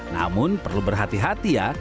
namun perlu berhati hati ya